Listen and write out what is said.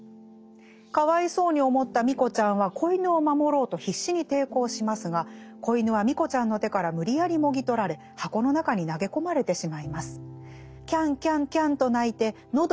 かわいそうに思ったミコちゃんは仔犬を守ろうと必死に抵抗しますが仔犬はミコちゃんの手から無理やりもぎ取られ箱の中に投げ込まれてしまいます」。